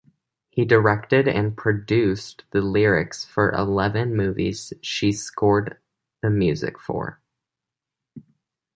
He directed and produced the lyrics for eleven movies she scored the music for.